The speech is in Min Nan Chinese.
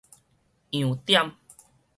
鎔點